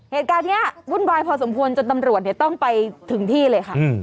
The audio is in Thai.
เหตุการณ์นี้วุ่นวายพอสมควรจนตำรวจต้องไปถึงที่เลยค่ะ